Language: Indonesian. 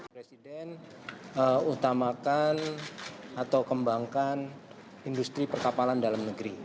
presiden utamakan atau kembangkan industri perkapalan dalam negeri